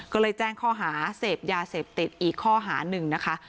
ก็เลยแจ้งข้อหาเสพยาเสพติดอีกข้อหาหนึ่งนะคะ